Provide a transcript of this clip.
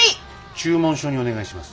注文書にお願いします。